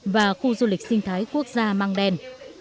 và khu du lịch sinh thái quốc gia mang đen